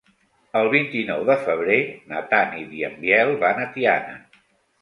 El vint-i-nou de febrer na Tanit i en Biel van a Tiana.